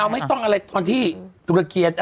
ไม่ต้องอะไรตอนที่ตุรเกียจ